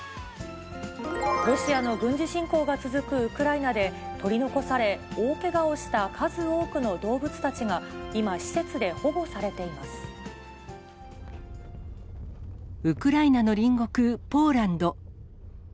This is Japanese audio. ロシアの軍事侵攻が続くウクライナで、取り残され、大けがをした数多くの動物たちが、今、施設で保護さウクライナの隣国ポーランド。